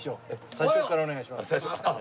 最初からお願いします。